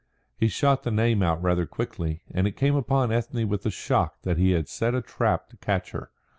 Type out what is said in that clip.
He shot the name out rather quickly, and it came upon Ethne with a shock that he had set a trap to catch her.